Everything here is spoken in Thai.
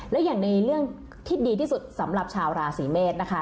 และอย่างในเรื่องที่ดีที่สุดสำหรับชาวราศีเมษนะคะ